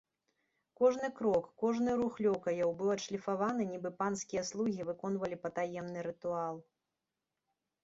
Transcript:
Кожны крок, кожны рух лёкаяў быў адшліфаваны, нібы панскія слугі выконвалі патаемны рытуал.